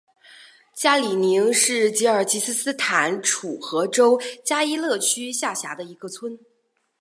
加里宁是吉尔吉斯斯坦楚河州加依勒区下辖的一个村。